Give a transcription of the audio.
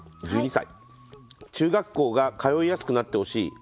「中学校が通いやすくなってほしい。